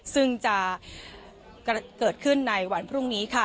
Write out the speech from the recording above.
ซึ่งจะเกิดขึ้นในวันพรุ่งนี้ค่ะ